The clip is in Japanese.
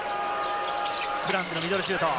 フランツのミドルシュート。